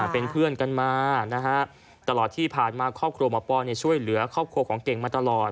เป็นเพื่อนกันมานะฮะตลอดที่ผ่านมาครอบครัวหมอปอนช่วยเหลือครอบครัวของเก่งมาตลอด